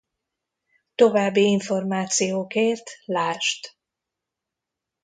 További információkért ld.